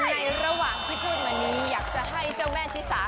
ในระหว่างที่พูดมานี้อยากจะให้เจ้าแม่ชิสา